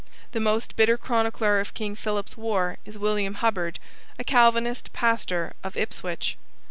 The most bitter chronicler of King Philip's War is William Hubbard, a Calvinist pastor of Ipswich.